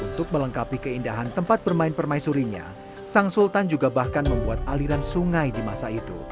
untuk melengkapi keindahan tempat bermain permaisurinya sang sultan juga bahkan membuat aliran sungai di masa itu